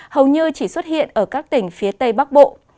hầu như chỉ xuất hiện ở các tỉnh phía tây bắc bộ